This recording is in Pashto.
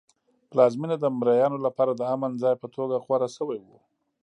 پلازمېنه د مریانو لپاره د امن ځای په توګه غوره شوی و.